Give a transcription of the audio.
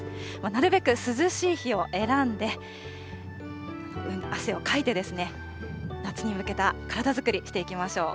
なるべく涼しい日を選んで、汗をかいて、夏に向けた体作りしていきましょう。